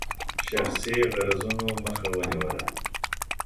شخصي غرضونو مخه ونیوله.